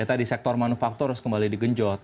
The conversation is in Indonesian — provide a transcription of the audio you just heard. tadi sektor manufaktur harus kembali digenjot